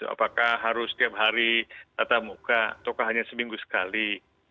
apakah harus setiap hari tatap muka ataukah hanya seminggu sekali